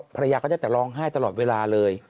ภรรยาก็ได้แต่ร้องไห้ตลอดเวลาเลย